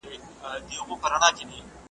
ته مي لیدې چي دي د پرخي مرغلیني دانې .